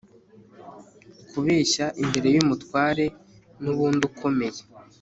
kubeshya, imbere y'umutware n'undi ukomeye